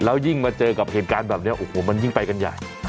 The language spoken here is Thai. แล้วยิ่งมาเจอกับเหตุการณ์แบบนี้โอ้โหมันยิ่งไปกันใหญ่